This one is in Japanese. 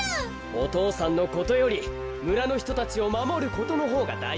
お父さんのことよりむらのひとたちをまもることのほうがだいじだ。